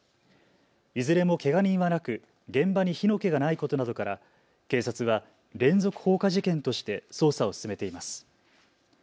いずれもけが人はなく現場に火の気がないことなどから警察は連続放火事件として捜査を進めています。